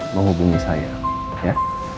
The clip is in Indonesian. menghubungi saya ya